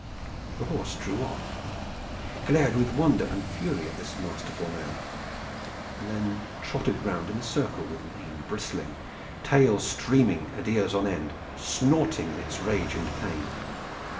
The horse drew off, glared with wonder and fury at this masterful man, and then trotted round in a circle, with mane bristling, tail streaming and ears on end, snorting in its rage and pain.